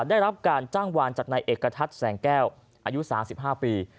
ได้รับการจ้างวานจากนายเอกทัศน์แสงแก้วอายุ๓๕ปี